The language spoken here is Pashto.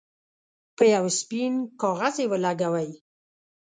په یو سپین کاغذ یې ولګوئ.